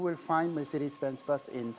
menemukan bus mercedes benz di